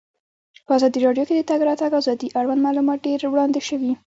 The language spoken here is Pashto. په ازادي راډیو کې د د تګ راتګ ازادي اړوند معلومات ډېر وړاندې شوي.